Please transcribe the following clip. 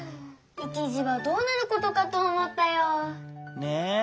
いちじはどうなることかとおもったよ。ね。